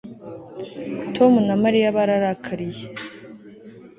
Tom na Mariya bararakariye